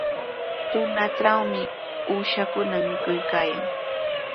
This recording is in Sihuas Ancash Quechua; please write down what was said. Tunatrawmi uushakuna mikuykaayan.